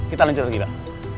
kita lanjutin lagi mbak